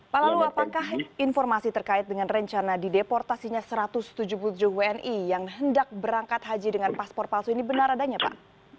pak lalu apakah informasi terkait dengan rencana dideportasinya satu ratus tujuh puluh tujuh wni yang hendak berangkat haji dengan paspor palsu ini benar adanya pak